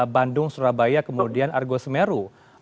bandung surabaya kemudian argo semeru